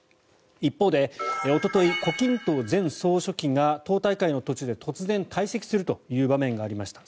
一方で、おととい胡錦涛前総書記が党大会の途中で当然退席するという場面がありました。